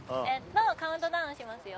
ウントダウンしますよ。